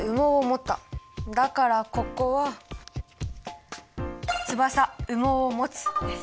だからここは「翼・羽毛をもつ」です。